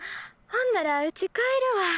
ほんならうち帰るわ。